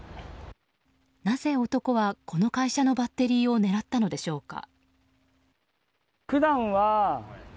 なぜ男はこの会社のバッテリーを狙ったのでしょうか。